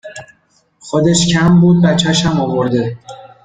خودش کم بود بچشم آورده